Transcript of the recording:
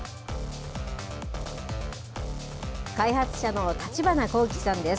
開発者の立花巧樹さんです。